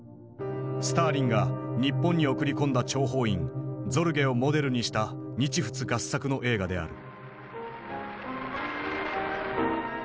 スターリンが日本に送り込んだ諜報員ゾルゲをモデルにした日仏合作の映画である。